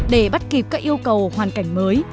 để bắt kịp các yêu cầu hoàn cảnh mới